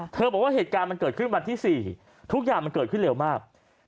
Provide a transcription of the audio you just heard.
บอกว่าเหตุการณ์มันเกิดขึ้นวันที่๔ทุกอย่างมันเกิดขึ้นเร็วมาก